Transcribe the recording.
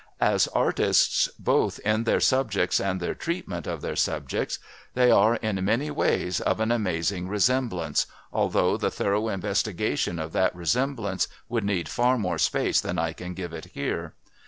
As artists, both in their subjects and their treatment of their subjects, they are, in many ways, of an amazing resemblance, although the thorough investigation of that resemblance would need far more space than I can give it here.